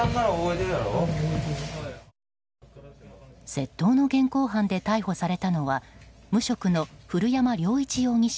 窃盗の現行犯で逮捕されたのは無職の古山陵一容疑者